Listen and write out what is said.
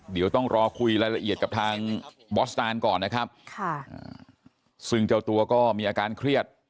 เดี๋ยวต้องรอคุยรายละเอียดกับทางบอสตานก่อนนะครับซึ่งเจ้าตัวก็มีอาการเครียด